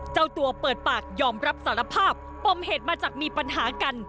เจ้าตัวเปิดปากยอมรับสารภาพปมเหตุมาจากมีปัญหากัน